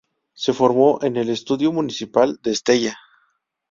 Se formó en el Estudio Municipal de Estella.